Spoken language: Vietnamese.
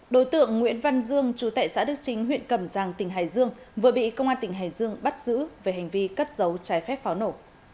đối tượng nguyễn văn dương chú tại xã đức chính huyện cẩm giang tỉnh hải dương vừa bị công an tỉnh hải dương bắt giữ về hành vi cất giấu trái phép pháo nổ